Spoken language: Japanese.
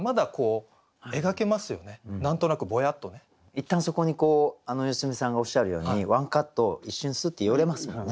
いったんそこに良純さんがおっしゃるようにワンカット一瞬スーッて寄れますもんね。